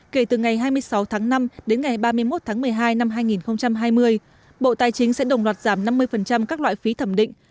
kể từ ngày hai mươi sáu tháng năm đến ngày ba mươi một tháng một mươi hai năm hai nghìn hai mươi bộ tài chính sẽ đồng loạt giảm năm mươi các loại phí thẩm định